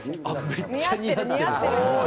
めっちゃ似合ってる！